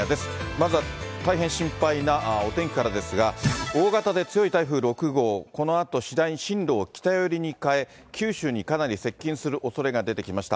まずは大変心配なお天気からですが、大型で強い台風６号、このあと次第に進路を北寄りに変え、九州にかなり接近するおそれが出てきました。